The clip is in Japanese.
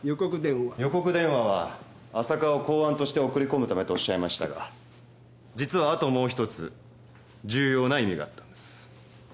予告電話は「浅香を公安として送り込むため」とおっしゃいましたが実はあともうひとつ重要な意味があったんです。